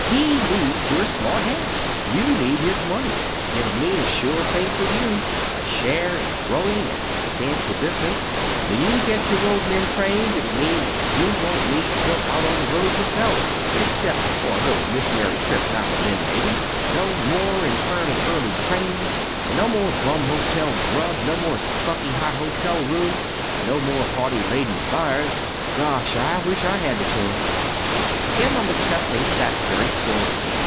He needs your smart head. You need his money. It'll mean a sure thing for you a share in a growing and substantial business. When you get your road men trained it'll mean that you won't need to go out on the road yourself, except for a little missionary trip now and then, maybe. No more infernal early trains, no more bum hotel grub, no more stuffy, hot hotel rooms, no more haughty lady buyers gosh, I wish I had the chance!" Emma McChesney sat very still.